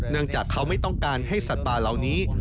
เนื่องจากเขาไม่ต้องการให้สัตว์ป่าเหล่านี้